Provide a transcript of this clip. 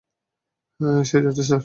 সে যাচ্ছে স্যার।